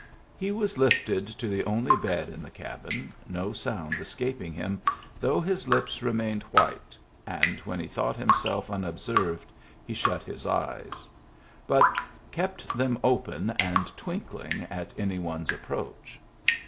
He was lifted to the only bed in the cabin, no sound escaping him, though his lips remained white, and when he thought ihimself unobserved he shut his eyes ; but kept them open and twin Digitized by Google i64 MEMBERS OF THE FAMILY kling at any one's approach.